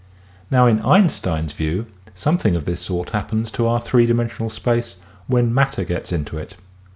Now in Einstein's view something of this sort hap pens to our three dimensional space when matter gets into it.